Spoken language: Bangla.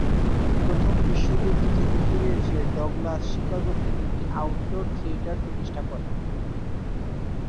প্রথম বিশ্বযুদ্ধ থেকে ফিরে এসে ডগলাস শিকাগোতে একটি আউটডোর থিয়েটার প্রতিষ্ঠা করেন।